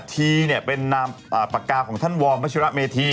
ทีเนี่ยเป็นนามปากกาของท่านวอร์มวัชิระเมธี